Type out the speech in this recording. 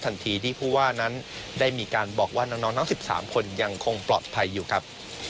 ทันทีที่ผู้ว่านั้นได้มีการบอกว่าน้องทั้ง๑๓คนยังคงปลอดภัยอยู่ครับ